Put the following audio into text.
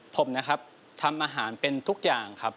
ผมนะครับทำอาหารเป็นทุกอย่างครับ